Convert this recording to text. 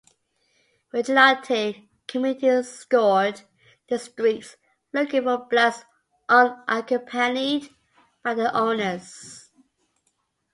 Vigilante committees scoured the streets looking for blacks unaccompanied by their owners.